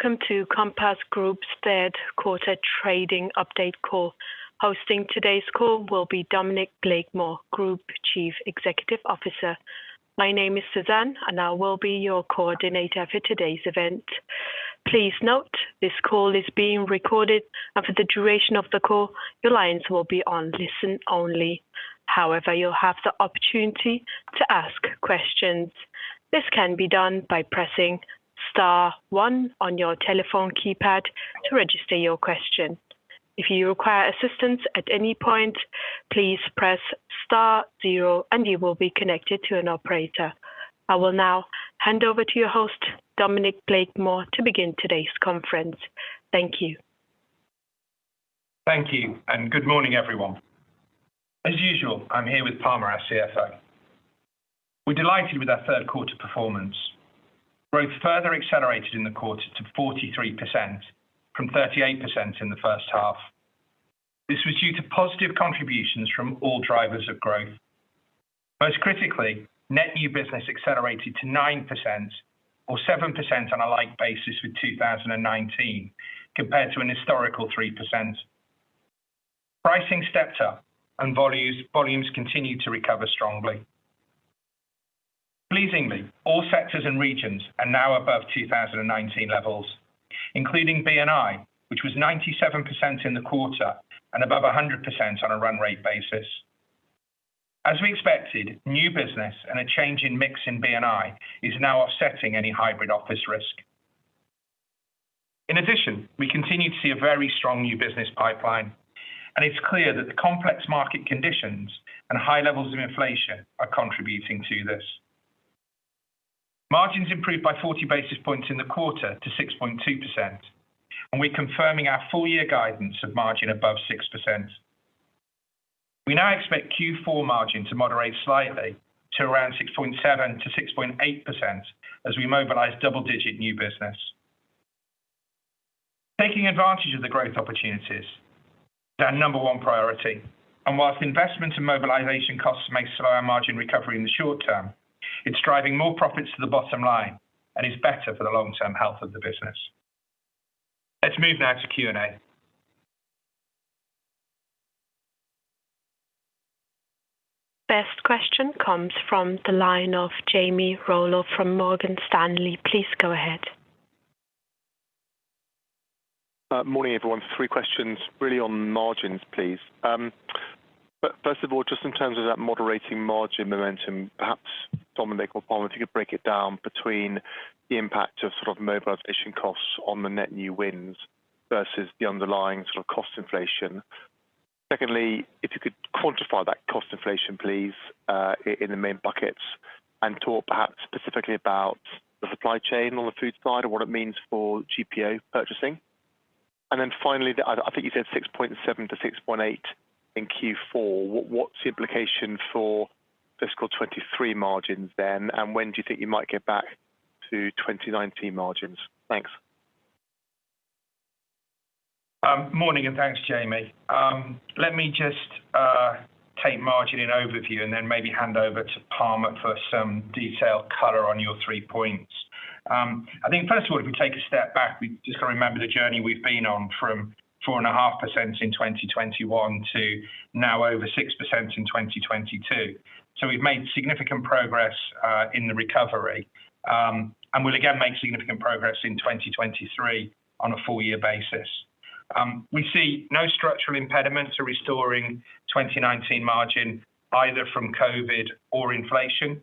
Welcome to Compass Group's Third Quarter Trading Update Call. Hosting today's call will be Dominic Blakemore, Group Chief Executive Officer. My name is Suzanne, and I will be your coordinator for today's event. Please note this call is being recorded, and for the duration of the call, your lines will be on listen only. However, you'll have the opportunity to ask questions. This can be done by pressing star one on your telephone keypad to register your question. If you require assistance at any point, please press star zero and you will be connected to an operator. I will now hand over to your host, Dominic Blakemore, to begin today's conference. Thank you. Thank you, and good morning, everyone. As usual, I'm here with Palmer, our CFO. We're delighted with our third quarter performance. Growth further accelerated in the quarter to 43% from 38% in the first half. This was due to positive contributions from all drivers of growth. Most critically, net new business accelerated to 9% or 7% on a like basis with 2019 compared to an historical 3%. Pricing stepped up and volumes continued to recover strongly. Pleasingly, all sectors and regions are now above 2019 levels, including B&I which was 97% in the quarter and above 100% on a run rate basis. As we expected, new business and a change in mix in B&I is now offsetting any hybrid office risk. In addition, we continue to see a very strong new business pipeline, and it's clear that the complex market conditions and high levels of inflation are contributing to this. Margins improved by 40 basis points in the quarter to 6.2%, and we're confirming our full year guidance of margin above 6%. We now expect Q4 margin to moderate slightly to around 6.7%-6.8% as we mobilize double-digit new business. Taking advantage of the growth opportunities, their number one priority, and while investment and mobilization costs may slow our margin recovery in the short term, it's driving more profits to the bottom line and is better for the long-term health of the business. Let's move now to Q&A. First question comes from the line of Jamie Rollo from Morgan Stanley. Please go ahead. Morning, everyone. Three questions really on margins, please. First of all, just in terms of that moderating margin momentum, perhaps Dominic or Palmer, if you could break it down between the impact of sort of mobilization costs on the net new wins versus the underlying sort of cost inflation. Secondly, if you could quantify that cost inflation please, in the main buckets and talk perhaps specifically about the supply chain on the food side and what it means for GPO purchasing. Finally, I think you said 6.7%-6.8% in Q4. What's the implication for fiscal 2023 margins then? And when do you think you might get back to 2019 margins? Thanks. Morning and thanks, Jamie. Let me just take margin in overview and then maybe hand over to Palmer for some detailed color on your three points. I think first of all, if we take a step back, we just gotta remember the journey we've been on from 4.5% in 2021 to now over 6% in 2022. We've made significant progress in the recovery, and we'll again make significant progress in 2023 on a full year basis. We see no structural impediments to restoring 2019 margin either from COVID or inflation.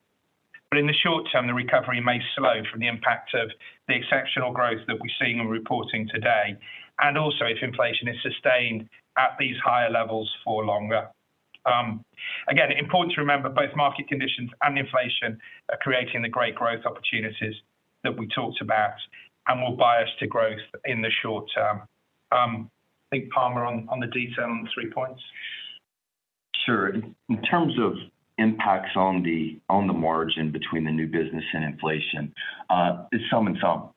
In the short term, the recovery may slow from the impact of the exceptional growth that we're seeing and reporting today, and also if inflation is sustained at these higher levels for longer. Again, important to remember, both market conditions and inflation are creating the great growth opportunities that we talked about and will bias to growth in the short term. I think Palmer Brown on the detail on the three points. Sure. In terms of impacts on the margin between the new business and inflation, it's some and some.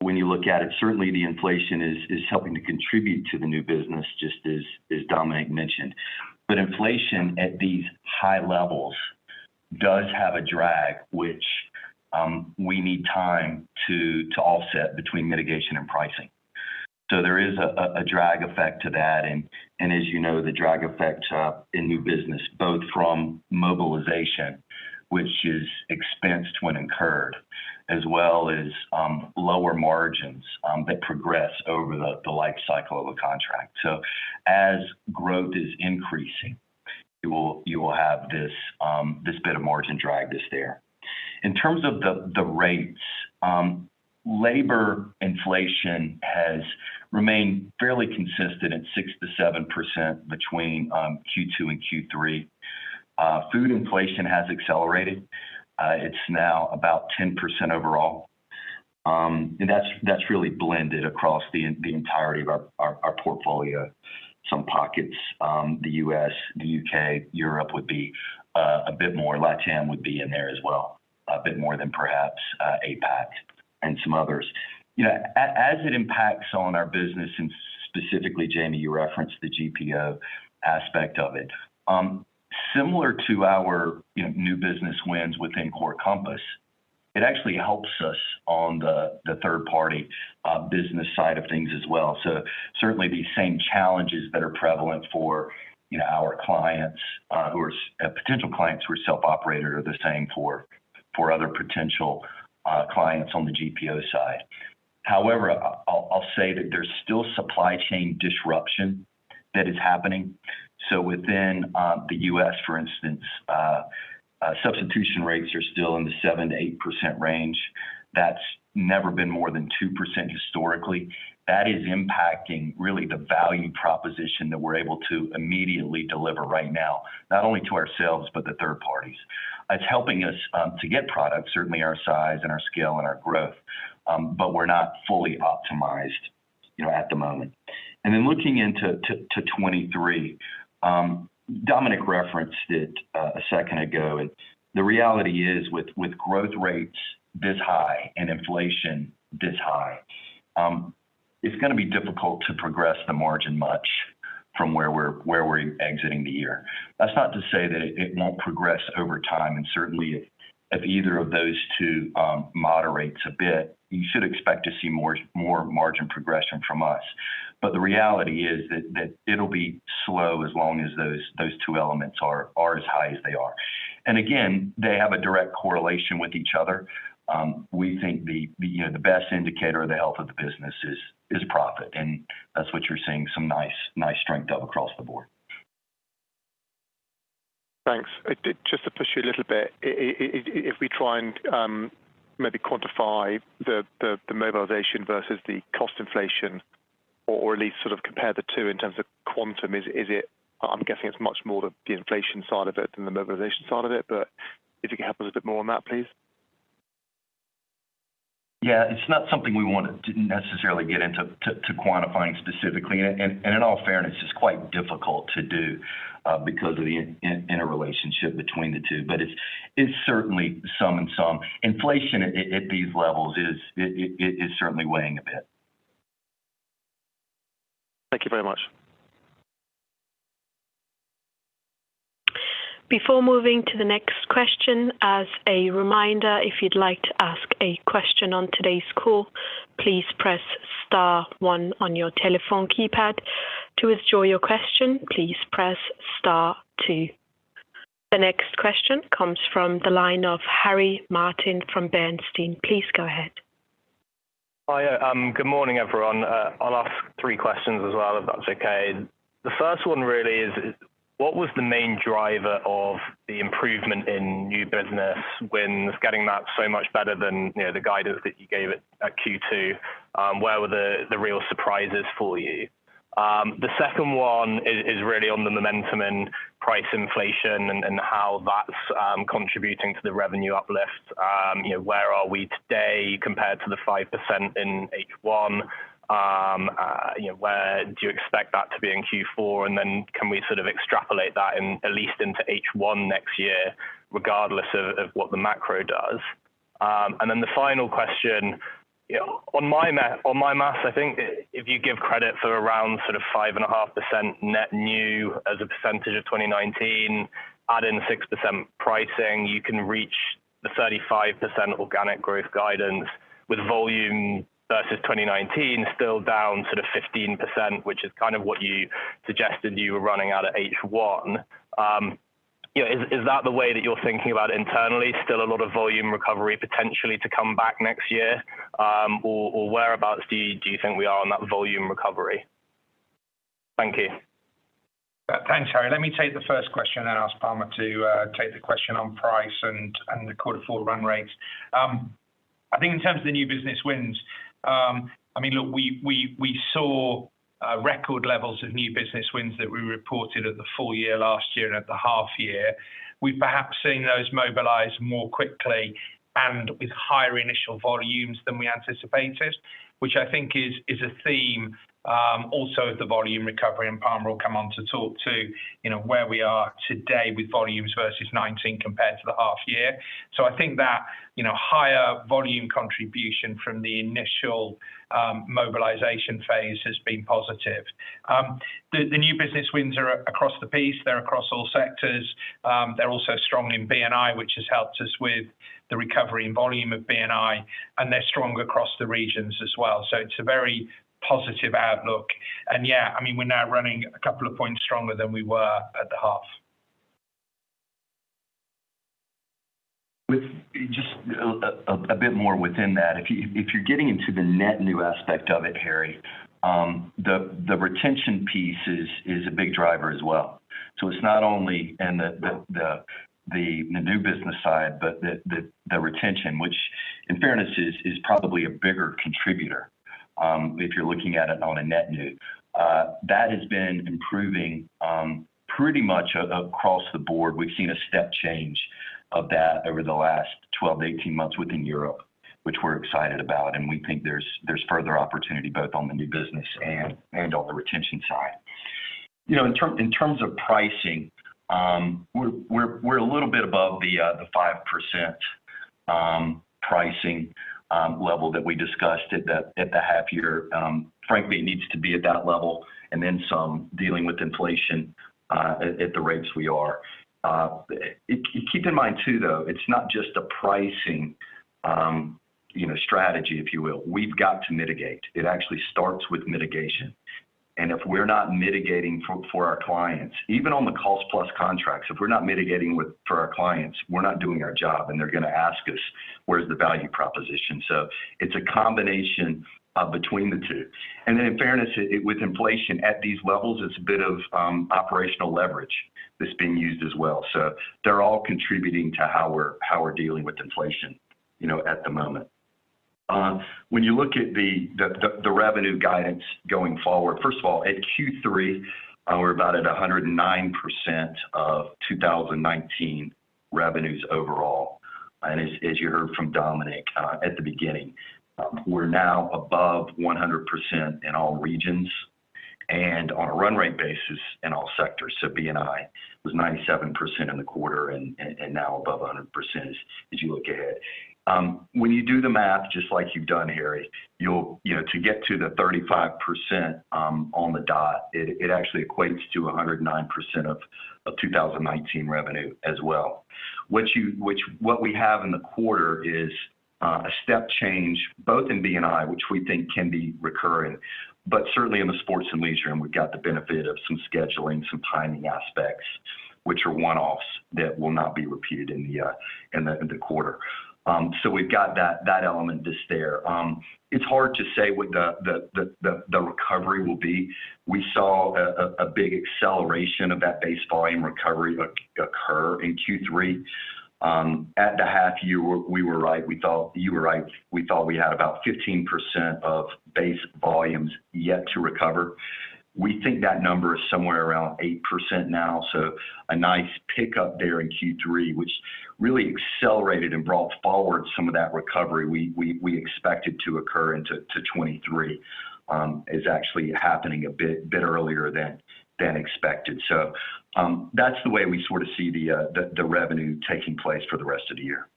When you look at it, certainly the inflation is helping to contribute to the new business just as Dominic mentioned. Inflation at these high levels does have a drag, which we need time to offset between mitigation and pricing. There is a drag effect to that and as you know, the drag effects are in new business both from mobilization, which is expensed when incurred, as well as lower margins that progress over the life cycle of a contract. As growth is increasing, you will have this bit of margin drag that's there. In terms of the rates, labor inflation has remained fairly consistent at 6%-7% between Q2 and Q3. Food inflation has accelerated. It's now about 10% overall. That's really blended across the entirety of our portfolio. Some pockets, the U.S., the U.K., Europe would be a bit more. LATAM would be in there as well, a bit more than perhaps APAC and some others. You know, as it impacts on our business and specifically, Jamie, you referenced the GPO aspect of it. Similar to our new business wins within Core Compass, it actually helps us on the third party business side of things as well. Certainly these same challenges that are prevalent for, you know, our clients who are potential clients who are self-operated are the same for other potential clients on the GPO side. However, I'll say that there's still supply chain disruption that is happening. Within the U.S., for instance, substitution rates are still in the 7%-8% range. That's never been more than 2% historically. That is impacting really the value proposition that we're able to immediately deliver right now, not only to ourselves but the third parties. It's helping us to get product, certainly our size and our scale and our growth, but we're not fully optimized, you know, at the moment. Then looking into 2023, Dominic referenced it a second ago. The reality is with growth rates this high and inflation this high, it's gonna be difficult to progress the margin much from where we're exiting the year. That's not to say that it won't progress over time, and certainly if either of those two moderates a bit, you should expect to see more margin progression from us. The reality is that it'll be slow as long as those two elements are as high as they are. Again, they have a direct correlation with each other. We think you know the best indicator of the health of the business is profit, and that's what you're seeing some nice strength of across the board. Thanks. Just to push you a little bit. If we try and maybe quantify the mobilization versus the cost inflation or at least sort of compare the two in terms of quantum, is it much more the inflation side of it than the mobilization side of it. I'm guessing. But if you could help us a bit more on that, please? Yeah. It's not something we wanna necessarily get into quantifying specifically. In all fairness, it's quite difficult to do, because of the interrelationship between the two. But it's certainly some and some. Inflation at these levels is certainly weighing a bit. Thank you very much. Before moving to the next question, as a reminder, if you'd like to ask a question on today's call, please press star one on your telephone keypad. To withdraw your question, please press star two. The next question comes from the line of Harry Martin from Bernstein. Please go ahead. Hi. Good morning, everyone. I'll ask three questions as well, if that's okay. The first one really is what was the main driver of the improvement in new business wins, getting that so much better than, you know, the guidance that you gave it at Q2? Where were the real surprises for you? The second one is really on the momentum and price inflation and how that's contributing to the revenue uplift. You know, where are we today compared to the 5% in H1? You know, where do you expect that to be in Q4? Can we sort of extrapolate that in at least into H1 next year regardless of what the macro does? The final question. You know, on my math, I think if you give credit for around sort of 5.5% net new as a percentage of 2019, add in 6% pricing, you can reach the 35% organic growth guidance with volume versus 2019 still down sort of 15%, which is kind of what you suggested you were running at at H1. You know, is that the way that you're thinking about internally, still a lot of volume recovery potentially to come back next year? Or, whereabouts do you think we are on that volume recovery? Thank you. Thanks, Harry. Let me take the first question and ask Palmer to take the question on price and the quarter four run rates. I think in terms of the new business wins, I mean, look, we saw record levels of new business wins that we reported at the full year, last year, and at the half year. We've perhaps seen those mobilize more quickly and with higher initial volumes than we anticipated, which I think is a theme also of the volume recovery. Palmer will come on to talk, you know, where we are today with volumes versus 2019 compared to the half year. I think that, you know, higher volume contribution from the initial mobilization phase has been positive. The new business wins are across the piece. They're across all sectors. They're also strong in B&I, which has helped us with the recovery in volume of B&I, and they're strong across the regions as well. It's a very positive outlook. Yeah, I mean, we're now running a couple of points stronger than we were at the half. With just a bit more within that. If you're getting into the net new aspect of it, Harry, the retention piece is a big driver as well. It's not only in the new business side, but the retention, which in fairness is probably a bigger contributor, if you're looking at it on a net new. That has been improving, pretty much across the board. We've seen a step change of that over the last 12-18 months within Europe, which we're excited about, and we think there's further opportunity both on the new business and on the retention side. You know, in terms of pricing, we're a little bit above the 5% pricing level that we discussed at the half year. Frankly, it needs to be at that level, and then some dealing with inflation at the rates we are. Keep in mind too, though, it's not just a pricing strategy, if you will. We've got to mitigate. It actually starts with mitigation. If we're not mitigating for our clients, even on the cost-plus contracts, if we're not mitigating for our clients, we're not doing our job, and they're gonna ask us, where's the value proposition? It's a combination between the two. In fairness, it with inflation at these levels, it's a bit of operational leverage that's being used as well. They're all contributing to how we're dealing with inflation, you know, at the moment. When you look at the revenue guidance going forward, first of all, at Q3, we're about at 109% of 2019 revenues overall. As you heard from Dominic at the beginning, we're now above 100% in all regions and on a run rate basis in all sectors. B&I was 97% in the quarter and now above 100% as you look ahead. When you do the math, just like you've done, Harry, you know, to get to the 35%, on the dot, it actually equates to 109% of 2019 revenue as well. What we have in the quarter is a step change both in B&I, which we think can be recurring, but certainly in the Sports & Leisure, and we've got the benefit of some scheduling, some timing aspects, which are one-offs that will not be repeated in the quarter. We've got that element just there. It's hard to say what the recovery will be. We saw a big acceleration of that base volume recovery occur in Q3. At the half year we were right. We thought you were right. We thought we had about 15% of base volumes yet to recover. We think that number is somewhere around 8% now, so a nice pickup there in Q3, which really accelerated and brought forward some of that recovery we expected to occur into 2023, is actually happening a bit earlier than expected. That's the way we sort of see the revenue taking place for the rest of the year.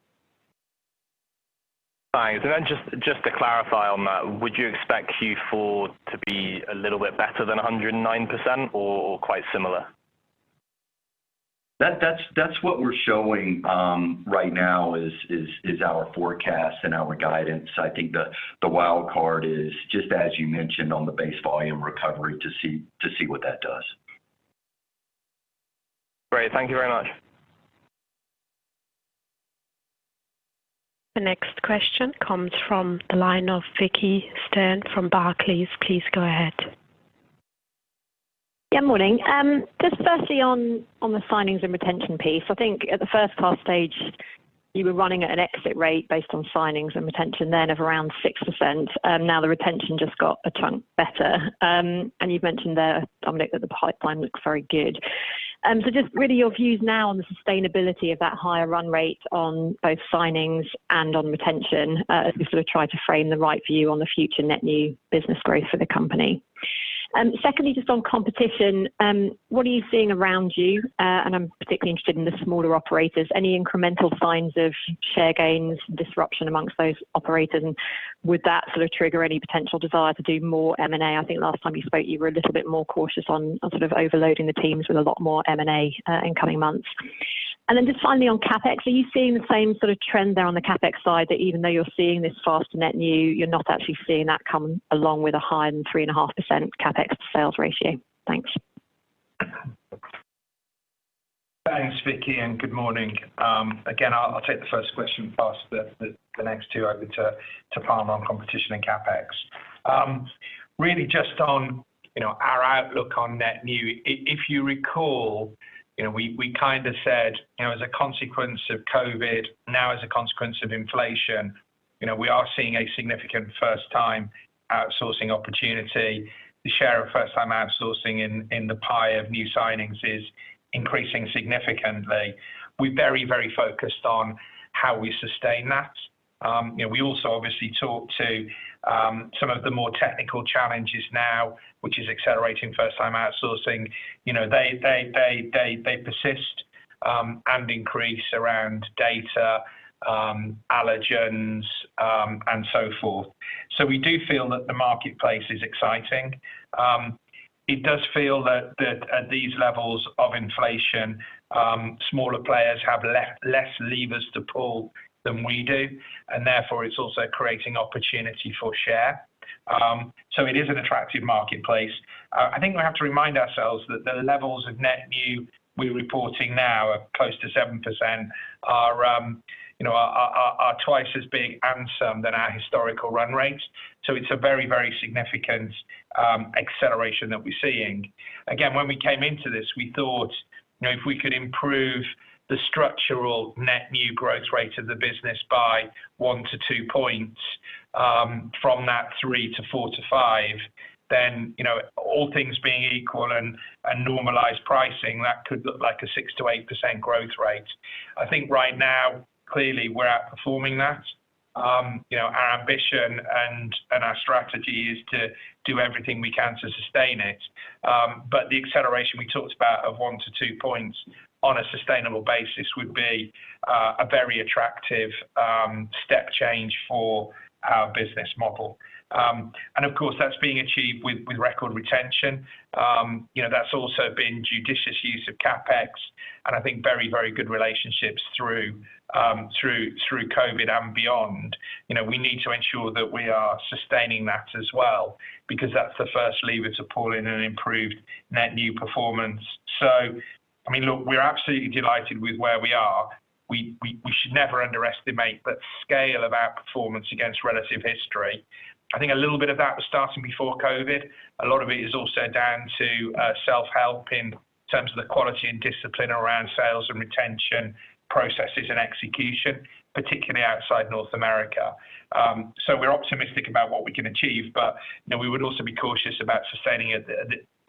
Thanks. Just to clarify on that, would you expect Q4 to be a little bit better than 109% or quite similar? That's what we're showing right now is our forecast and our guidance. I think the wild card is just as you mentioned on the base volume recovery to see what that does. Great. Thank you very much. The next question comes from the line of Vicki Stern from Barclays. Please go ahead. Yeah, morning. Just firstly on the signings and retention piece. I think at the first half stage you were running at an exit rate based on signings and retention then of around 6%. Now the retention just got a chunk better. And you've mentioned there, Dominic, that the pipeline looks very good. So just really your views now on the sustainability of that higher run rate on both signings and on retention, as we sort of try to frame the right view on the future net new business growth for the company. Secondly, just on competition, what are you seeing around you? And I'm particularly interested in the smaller operators. Any incremental signs of share gains, disruption amongst those operators? And would that sort of trigger any potential desire to do more M&A? I think last time you spoke you were a little bit more cautious on sort of overloading the teams with a lot more M&A in coming months. Then just finally on CapEx, are you seeing the same sort of trend there on the CapEx side that even though you're seeing this faster net new, you're not actually seeing that come along with a higher than 3.5% CapEx sales ratio? Thanks. Thanks, Vicky, and good morning. Again, I'll take the first question and pass the next two over to Palmer on competition and CapEx. Really just on, you know, our outlook on net new, if you recall, you know, we kinda said, you know, as a consequence of COVID, now as a consequence of inflation, you know, we are seeing a significant first-time outsourcing opportunity. The share of first-time outsourcing in the pie of new signings is increasing significantly. We're very focused on how we sustain that. You know, we also obviously talk to some of the more technical challenges now, which is accelerating first-time outsourcing. You know, they persist and increase around data, allergens, and so forth. We do feel that the marketplace is exciting. It does feel that at these levels of inflation, smaller players have less levers to pull than we do, and therefore it's also creating opportunity for share. It is an attractive marketplace. I think we have to remind ourselves that the levels of net new we're reporting now are close to 7%, you know, are twice as big as some than our historical run rates. It's a very significant acceleration that we're seeing. Again, when we came into this, we thought, you know, if we could improve the structural net new growth rate of the business by one to two points from that 3%-4% to 5%, then, you know, all things being equal and normalized pricing, that could look like a 6%-8% growth rate. I think right now, clearly we're outperforming that. You know, our ambition and our strategy is to do everything we can to sustain it. The acceleration we talked about of one to two points on a sustainable basis would be a very attractive step change for our business model. Of course, that's being achieved with record retention. You know, that's also been judicious use of CapEx and I think very good relationships through COVID and beyond. We need to ensure that we are sustaining that as well because that's the first lever to pull in an improved net new performance. I mean, look, we're absolutely delighted with where we are. We should never underestimate the scale of our performance against relative history. I think a little bit of that was starting before COVID. A lot of it is also down to self-help in terms of the quality and discipline around sales and retention processes and execution, particularly outside North America. We're optimistic about what we can achieve, but, you know, we would also be cautious about sustaining it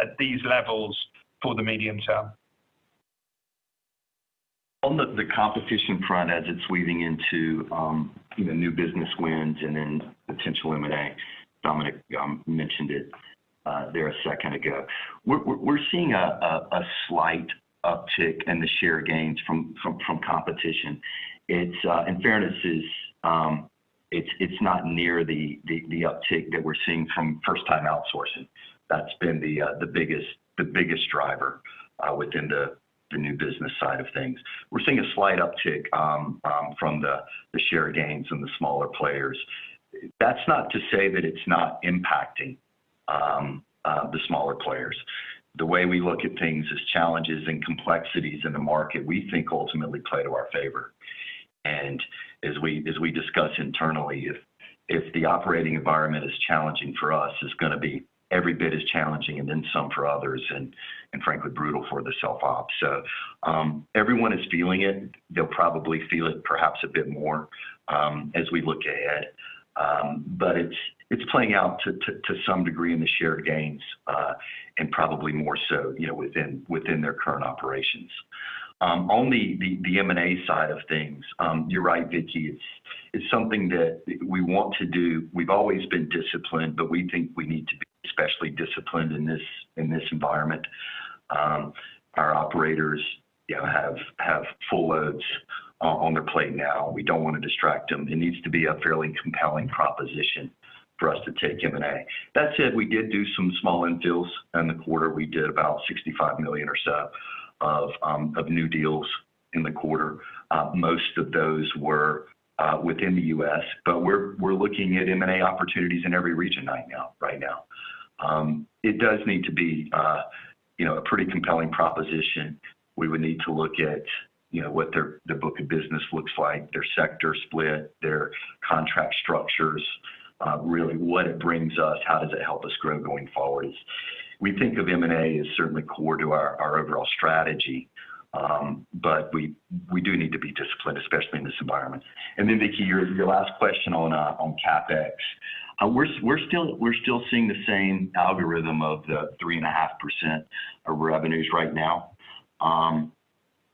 at these levels for the medium term. On the competition front as it's weaving into new business wins and then potential M&A, Dominic mentioned it there a second ago. We're seeing a slight uptick in the share gains from competition. It's in fairness is it's not near the uptick that we're seeing from first time outsourcing. That's been the biggest driver within the new business side of things. We're seeing a slight uptick from the share gains from the smaller players. That's not to say that it's not impacting the smaller players. The way we look at things is challenges and complexities in the market we think ultimately play to our favor. As we discuss internally, if the operating environment is challenging for us, it's gonna be every bit as challenging and then some for others and frankly brutal for the self-ops. Everyone is feeling it. They'll probably feel it perhaps a bit more as we look ahead. But it's playing out to some degree in the shared gains and probably more so, you know, within their current operations. On the M&A side of things, you're right, Vicky, it's something that we want to do. We've always been disciplined, but we think we need to be especially disciplined in this environment. Our operators, you know, have full loads on their plate now. We don't wanna distract them. It needs to be a fairly compelling proposition for us to take M&A. That said, we did do some small end deals in the quarter. We did about 65 million or so of new deals in the quarter. Most of those were within the U.S., but we're looking at M&A opportunities in every region right now. It does need to be, you know, a pretty compelling proposition. We would need to look at, you know, what their book of business looks like, their sector split, their contract structures, really what it brings us, how does it help us grow going forward. We think of M&A as certainly core to our overall strategy, but we do need to be disciplined, especially in this environment. Then Vicky, your last question on CapEx. We're still seeing the same algorithm of the 3.5% of revenues right now.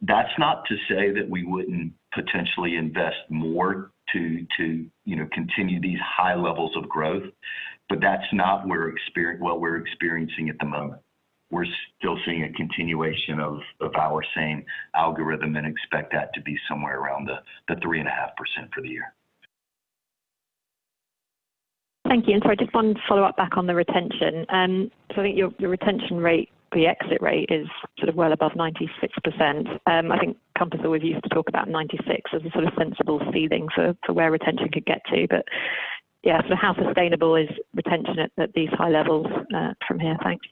That's not to say that we wouldn't potentially invest more to, you know, continue these high levels of growth, but that's not what we're experiencing at the moment. We're still seeing a continuation of our same algorithm and expect that to be somewhere around the 3.5% for the year. Thank you. Sorry, just one follow-up back on the retention. I think your retention rate, the exit rate is sort of well above 96%. I think Compass, we used to talk about 96% as a sort of sensible ceiling for where retention could get to. Yeah, how sustainable is retention at these high levels from here? Thanks.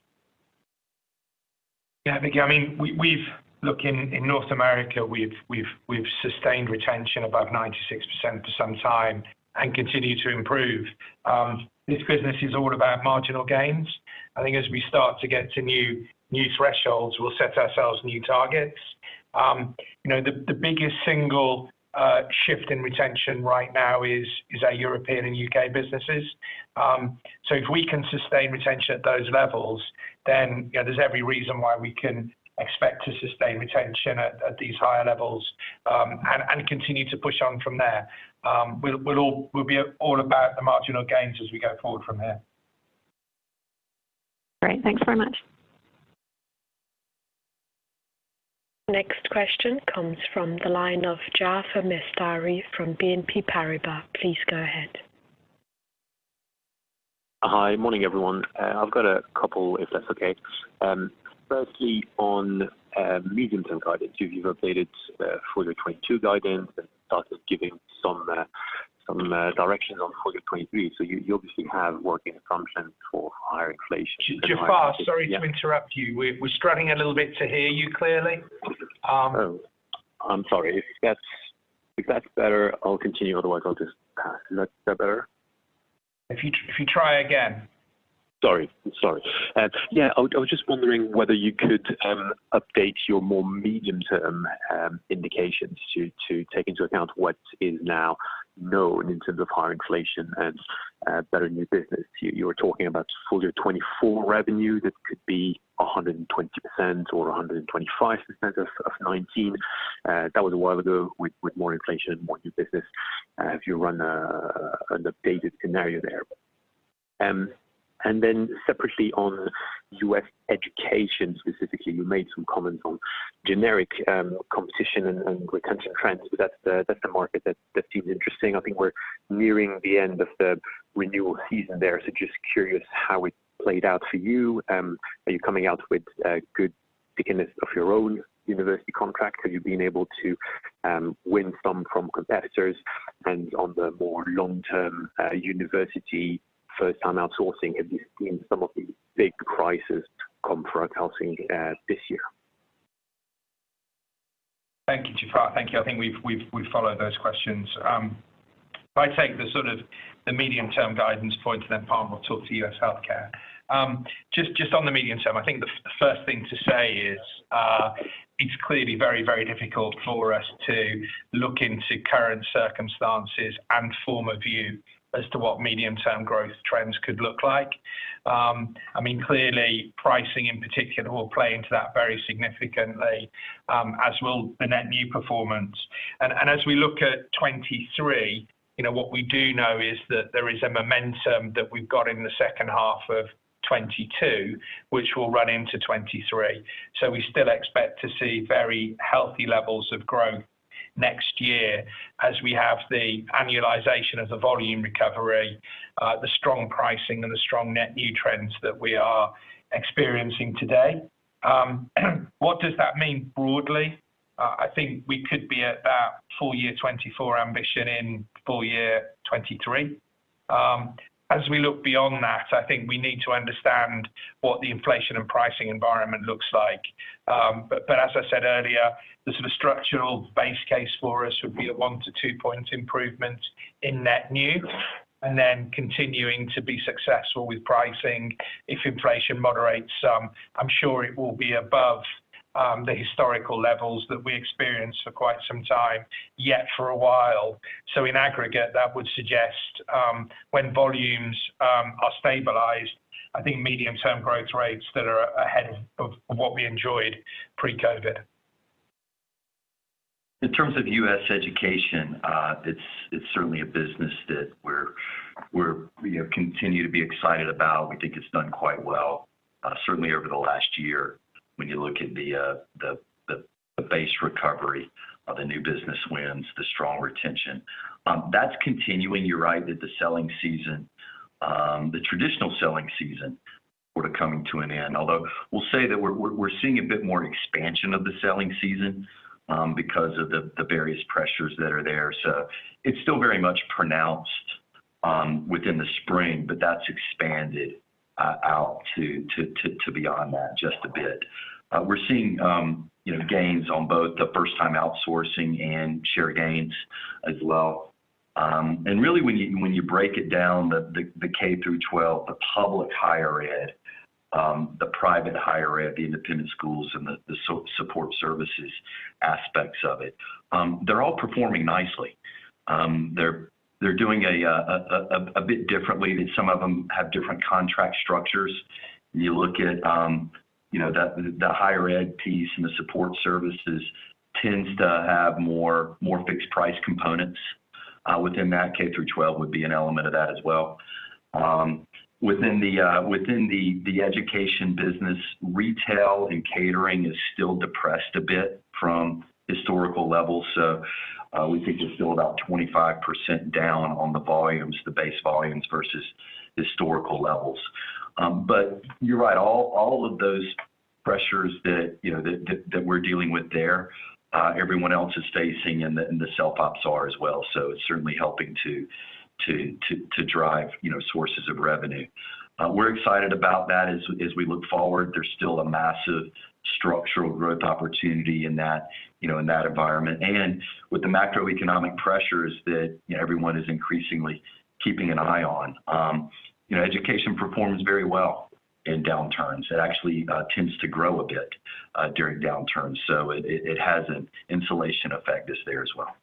Yeah, Vicky. I mean, we've looked in North America. We've sustained retention above 96% for some time and continue to improve. This business is all about marginal gains. I think as we start to get to new thresholds, we'll set ourselves new targets. You know, the biggest single shift in retention right now is our European and U.K. businesses. If we can sustain retention at those levels, then, you know, there's every reason why we can expect to sustain retention at these higher levels, and continue to push on from there. We'll be all about the marginal gains as we go forward from here. Great. Thanks very much. Next question comes from the line of Jaafar Mestari from BNP Paribas. Please go ahead. Hi. Morning, everyone. I've got a couple, if that's okay. Firstly, on medium term guidance, you've updated for the 2022 guidance and started giving some direction on 2023. You obviously have working assumptions for higher inflation. Jaafar, sorry to interrupt you. We're struggling a little bit to hear you clearly. Oh, I'm sorry. If that's better, I'll continue. Otherwise, I'll just pass. Is that better? If you try again. Yeah, I was just wondering whether you could update your more medium term indications to take into account what is now known in terms of higher inflation and better new business. You were talking about full year 2024 revenue that could be 120% or 125% of 2019. That was a while ago with more inflation, more new business, if you run an updated scenario there. Separately on U.S. education specifically, you made some comments on generic competition and retention trends. That's the market that seems interesting. I think we're nearing the end of the renewal season there. Just curious how it played out for you. Are you coming out with good traction on your own university contract? Have you been able to win some from competitors? In the longer-term university first-time outsourcing, have you seen some of the big sites come through outsourcing this year? Thank you, Jaafar. Thank you. I think we've followed those questions. If I take the sort of the medium-term guidance point, and then Parm will talk to U.S. healthcare. Just on the medium term, I think the first thing to say is, it's clearly very difficult for us to look into current circumstances and form a view as to what medium-term growth trends could look like. I mean, clearly pricing in particular will play into that very significantly, as will the net new performance. As we look at 2023, you know, what we do know is that there is a momentum that we've got in the second half of 2022, which will run into 2023. We still expect to see very healthy levels of growth next year as we have the annualization of the volume recovery, the strong pricing and the strong net new trends that we are experiencing today. What does that mean broadly? I think we could be at that full year 2024 ambition in full year 2023. As we look beyond that, I think we need to understand what the inflation and pricing environment looks like. But as I said earlier, the sort of structural base case for us would be a one to two point improvement in net new and then continuing to be successful with pricing. If inflation moderates some, I'm sure it will be above the historical levels that we experienced for quite some time, yet for a while. So in aggregate, that would suggest, when volumes are stabilized, I think medium-term growth rates that are ahead of what we enjoyed pre-COVID. In terms of U.S. education, it's certainly a business that we're, you know, continue to be excited about. We think it's done quite well, certainly over the last year when you look at the base recovery, the new business wins, the strong retention. That's continuing. You're right that the selling season, the traditional selling season, were coming to an end. Although we'll say that we're seeing a bit more expansion of the selling season, because of the various pressures that are there. It's still very much pronounced within the spring, but that's expanded out to beyond that just a bit. We're seeing, you know, gains on both the first-time outsourcing and share gains as well. Really when you break it down, the K through 12, the public higher ed, the private higher ed, the independent schools and the support services aspects of it, they're all performing nicely. They're doing a bit differently in that some of them have different contract structures. You look at, you know, the higher ed piece and the support services tends to have more fixed-price components within that. K through 12 would be an element of that as well. Within the education business, retail and catering is still depressed a bit from historical levels. We think it's still about 25% down on the volumes, the base volumes versus historical levels. You're right. All of those pressures that you know we're dealing with there, everyone else is facing and the self-ops are as well. It's certainly helping to drive you know sources of revenue. We're excited about that as we look forward. There's still a massive structural growth opportunity in that you know in that environment. With the macroeconomic pressures that you know everyone is increasingly keeping an eye on, you know, education performs very well in downturns. It actually tends to grow a bit during downturns. It has an insulation effect there as well.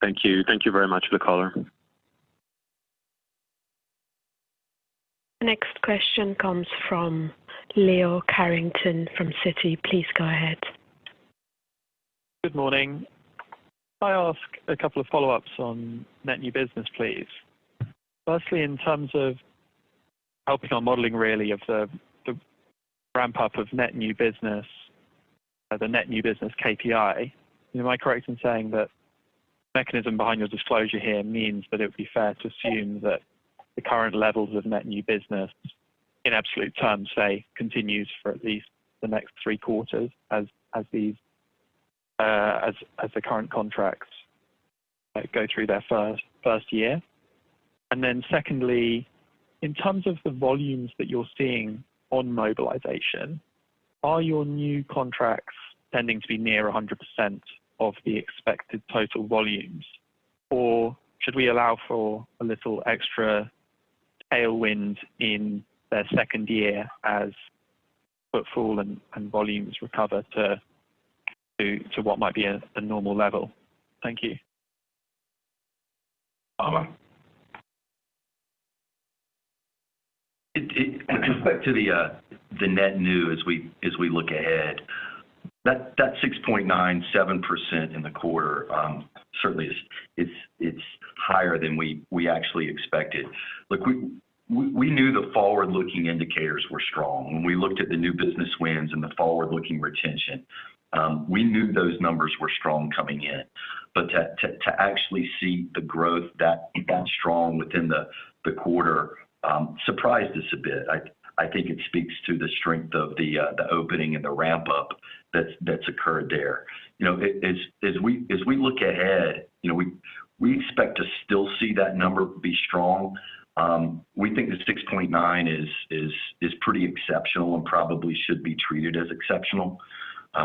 Thank you. Thank you very much for the color. Next question comes from Leo Carrington from Citi. Please go ahead. Good morning. Can I ask a couple of follow-ups on net new business, please? Firstly, in terms of helping our modeling really of the ramp up of net new business, the net new business KPI. Am I correct in saying that mechanism behind your disclosure here means that it would be fair to assume that the current levels of net new business in absolute terms, say, continues for at least the next three quarters as these as the current contracts go through their first year? Then secondly, in terms of the volumes that you're seeing on mobilization, are your new contracts tending to be near 100% of the expected total volumes? Or should we allow for a little extra tailwind in their second year as footfall and volumes recover to, to what might be a normal level? Thank you. Palmer. With respect to the net new as we look ahead, that 6.97% in the quarter certainly it's higher than we actually expected. Look, we knew the forward-looking indicators were strong. When we looked at the new business wins and the forward-looking retention, we knew those numbers were strong coming in. To actually see the growth that strong within the quarter surprised us a bit. I think it speaks to the strength of the opening and the ramp up that's occurred there. You know, as we look ahead, you know, we expect to still see that number be strong. We think the 6.9% is pretty exceptional and probably should be treated as exceptional.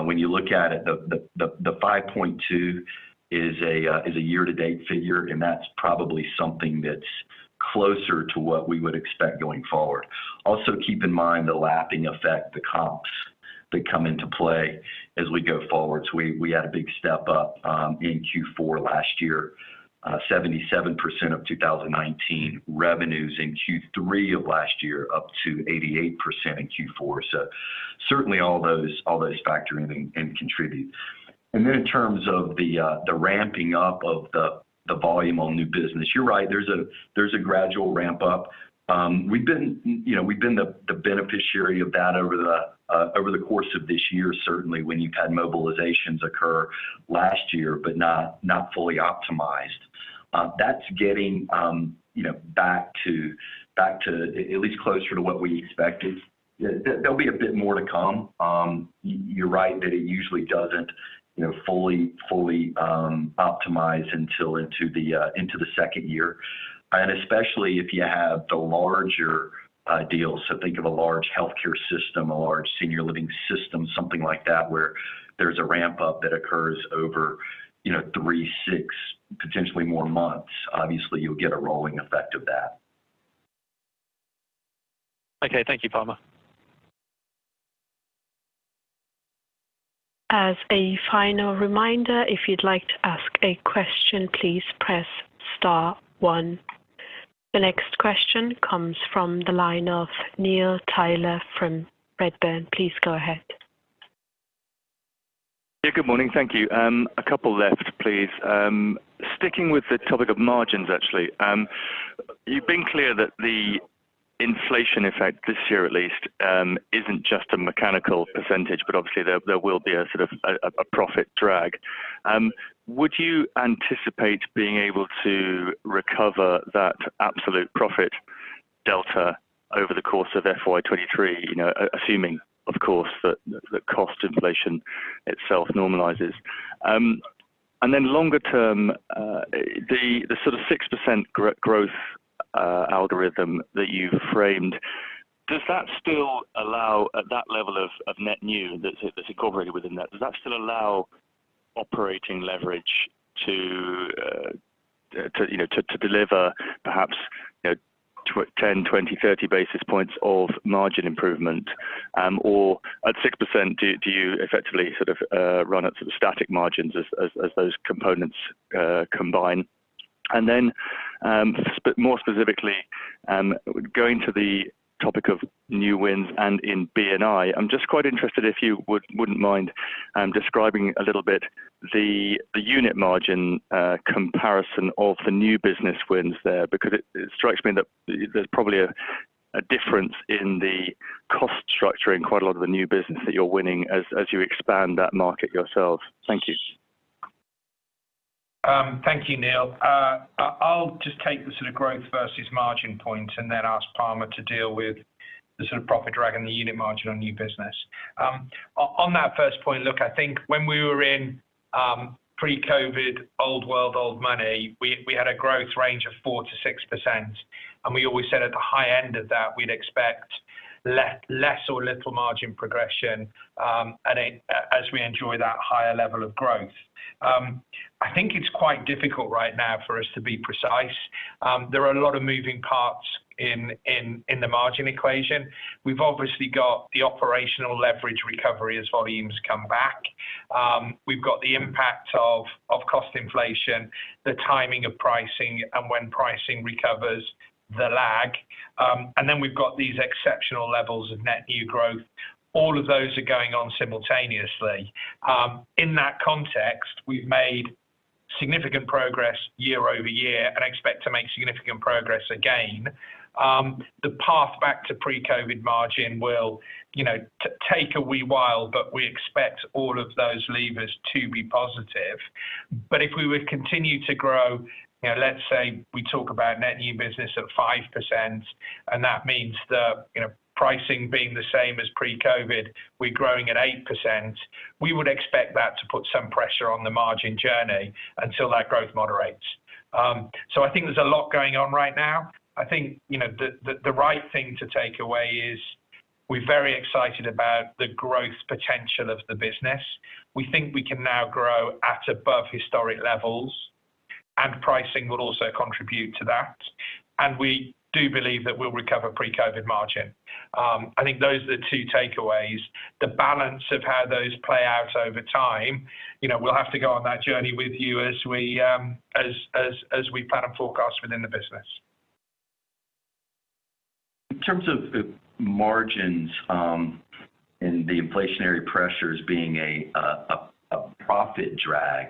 When you look at it, the 5.2% is a year to date figure, and that's probably something that's closer to what we would expect going forward. Also, keep in mind the lapping effect, the comps that come into play as we go forward. We had a big step up in Q4 last year, 77% of 2019 revenues in Q3 of last year, up to 88% in Q4. Certainly all those factor in and contribute. Then in terms of the ramping up of the volume on new business, you're right, there's a gradual ramp up. We've been the beneficiary of that over the course of this year, certainly when you've had mobilizations occur last year but not fully optimized. That's getting back to at least closer to what we expected. There'll be a bit more to come. You're right that it usually doesn't fully optimize until into the second year, and especially if you have the larger deals. Think of a large healthcare system, a large senior living system, something like that, where there's a ramp up that occurs over three, six, potentially more months. Obviously, you'll get a rolling effect of that. Okay. Thank you, Palmer. As a final reminder, if you'd like to ask a question, please press star one. The next question comes from the line of Neil Tyler from Redburn. Please go ahead. Yeah, good morning. Thank you. A couple left, please. Sticking with the topic of margins, actually, you've been clear that the inflation effect this year at least isn't just a mechanical percentage, but obviously there will be a sort of profit drag. Would you anticipate being able to recover that absolute profit delta over the course of FY 2023? You know, assuming, of course, that the cost inflation itself normalizes. Longer term, the sort of 6% growth algorithm that you framed, does that still allow at that level of net new that's incorporated within that, does that still allow operating leverage to deliver perhaps, you know, 10, 20, 30 basis points of margin improvement? At 6%, do you effectively sort of run at sort of static margins as those components combine? More specifically, going to the topic of new wins and in B&I, I'm just quite interested, if you wouldn't mind, describing a little bit the unit margin comparison of the new business wins there, because it strikes me that there's probably a difference in the cost structure in quite a lot of the new business that you're winning as you expand that market yourselves. Thank you. Thank you, Neil. I'll just take the sort of growth versus margin point and then ask Palmer to deal with the sort of profit drag and the unit margin on new business. On that first point, look, I think when we were in pre-COVID, old world, old money, we had a growth range of 4%-6%, and we always said at the high end of that we'd expect less or little margin progression, and then as we enjoy that higher level of growth. I think it's quite difficult right now for us to be precise. There are a lot of moving parts in the margin equation. We've obviously got the operational leverage recovery as volumes come back. We've got the impact of cost inflation, the timing of pricing, and when pricing recovers the lag. We've got these exceptional levels of net new growth. All of those are going on simultaneously. In that context, we've made significant progress year-over-year and expect to make significant progress again. The path back to pre-COVID margin will, you know, take a wee while, but we expect all of those levers to be positive. If we would continue to grow, you know, let's say we talk about net new business at 5%, and that means the, you know, pricing being the same as pre-COVID, we're growing at 8%. We would expect that to put some pressure on the margin journey until that growth moderates. I think there's a lot going on right now. I think, you know, the right thing to take away is we're very excited about the growth potential of the business. We think we can now grow at above historic levels. Pricing will also contribute to that. We do believe that we'll recover pre-COVID margin. I think those are the two takeaways. The balance of how those play out over time, you know, we'll have to go on that journey with you as we plan and forecast within the business. In terms of margins, and the inflationary pressures being a profit drag,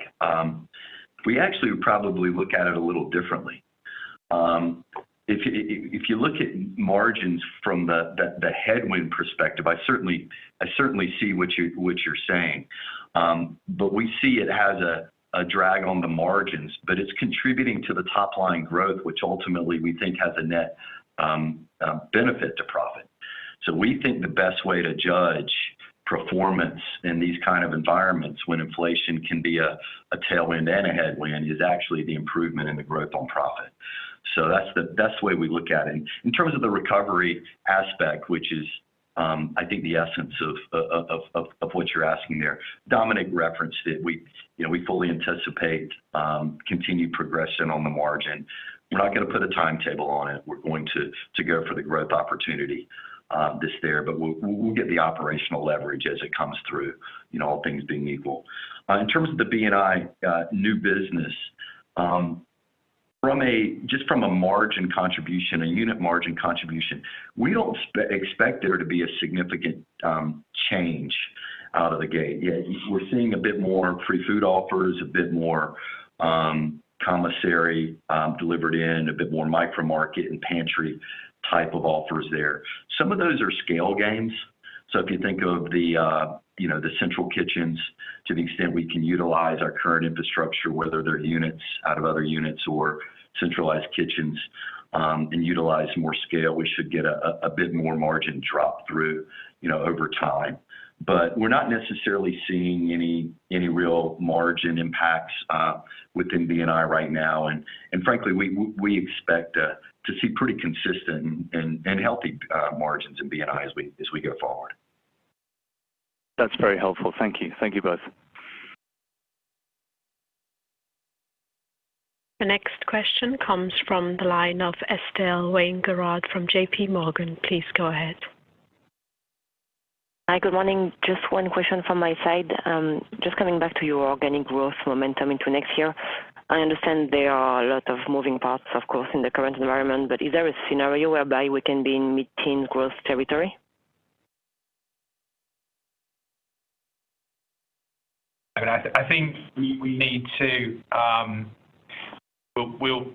we actually probably look at it a little differently. If you look at margins from the headwind perspective, I certainly see what you're saying. We see it as a drag on the margins, but it's contributing to the top line growth, which ultimately we think has a net benefit to profit. We think the best way to judge performance in these kind of environments when inflation can be a tailwind and a headwind is actually the improvement in the growth in profit. That's the best way we look at it. In terms of the recovery aspect, which is, I think the essence of what you're asking there. Dominic referenced it. We, you know, we fully anticipate continued progression on the margin. We're not gonna put a timetable on it. We're going to go for the growth opportunity that's there. We'll get the operational leverage as it comes through, you know, all things being equal. In terms of the B&I new business, from just a margin contribution, a unit margin contribution, we don't expect there to be a significant change out of the gate. Yeah, we're seeing a bit more free food offers, a bit more commissary delivered in, a bit more micro market and pantry type of offers there. Some of those are scale gains. If you think of the, you know, the central kitchens, to the extent we can utilize our current infrastructure, whether they're units out of other units or centralized kitchens, and utilize more scale, we should get a bit more margin drop through, you know, over time. We're not necessarily seeing any real margin impacts within B&I right now. Frankly, we expect to see pretty consistent and healthy margins in B&I as we go forward. That's very helpful. Thank you. Thank you both. The next question comes from the line of Estelle Weingrod from JPMorgan. Please go ahead. Hi, good morning. Just one question from my side. Just coming back to your organic growth momentum into next year. I understand there are a lot of moving parts, of course, in the current environment, but is there a scenario whereby we can be in mid-teen growth territory? I mean, I think we need to.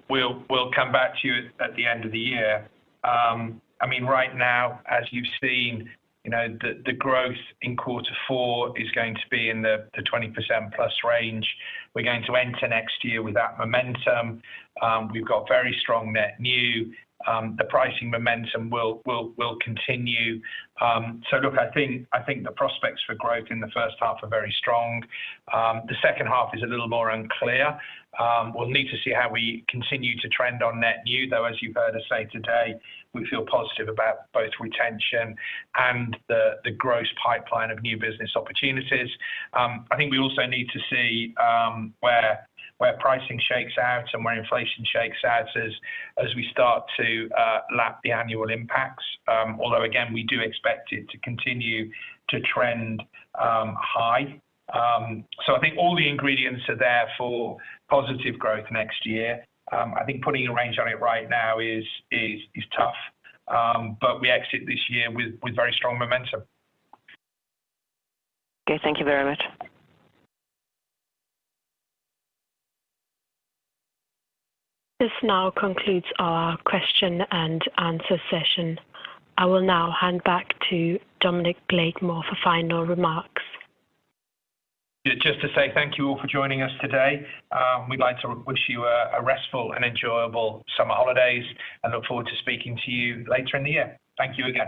We'll come back to you at the end of the year. I mean, right now, as you've seen, you know, the growth in quarter four is going to be in the 20% plus range. We're going to enter next year with that momentum. We've got very strong net new. The pricing momentum will continue. So look, I think the prospects for growth in the first half are very strong. The second half is a little more unclear. We'll need to see how we continue to trend on net new, though, as you've heard us say today, we feel positive about both retention and the growth pipeline of new business opportunities. I think we also need to see where pricing shakes out and where inflation shakes out as we start to lap the annual impacts. Although again, we do expect it to continue to trend high. I think all the ingredients are there for positive growth next year. I think putting a range on it right now is tough. We exit this year with very strong momentum. Okay. Thank you very much. This now concludes our question and answer session. I will now hand back to Dominic Blakemore for final remarks. Just to say thank you all for joining us today. We'd like to wish you a restful and enjoyable summer holidays and look forward to speaking to you later in the year. Thank you again.